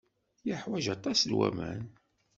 Yeḥwaj aṭas n waman.